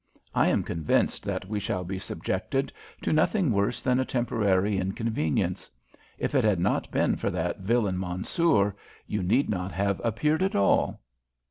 I am convinced that we shall be subjected to nothing worse than a temporary inconvenience. If it had not been for that villain Mansoor, you need not have appeared at all."